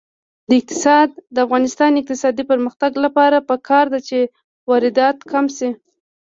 د افغانستان د اقتصادي پرمختګ لپاره پکار ده چې واردات کم شي.